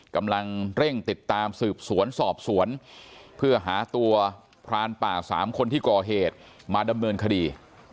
กำลังเร่งติดตามสืบสวนสอบสวนเพื่อหาตัวพรานป่า๓คนที่ก่อเหตุมาดำเนินคดี